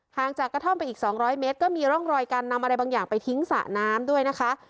งจากกระท่อมไปอีก๒๐๐เมตรก็มีร่องรอยการนำอะไรบางอย่างไปทิ้งสระน้ำด้วยนะคะ